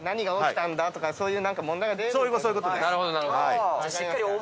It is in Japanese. そういうことです。